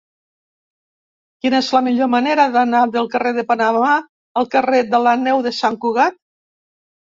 Quina és la millor manera d'anar del carrer de Panamà al carrer de la Neu de Sant Cugat?